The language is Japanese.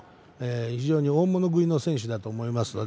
大物食いの選手だと思います。